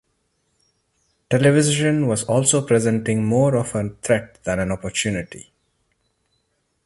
Television was also presenting more of a threat than an opportunity.